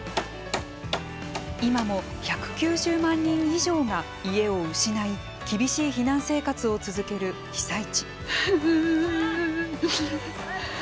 今も、１９０万人以上が家を失い厳しい避難生活を続ける被災地。